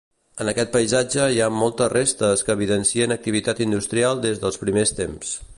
En aquest paisatge hi ha moltes restes que evidencien activitat industrial des dels primers temps.